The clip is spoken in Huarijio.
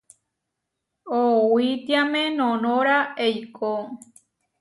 Oʼowitiáme noʼnóra eikó.